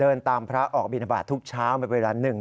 เดินตามพระออกบิณฑบาตรทุกเช้าไปเวลา๑เดือน